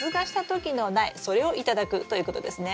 それを頂くということですね。